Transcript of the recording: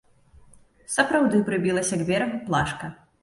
Сапраўды прыбілася к берагу плашка.